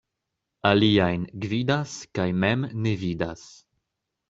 Aliajn gvidas kaj mem ne vidas.